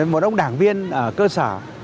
một ông đảng viên cơ sở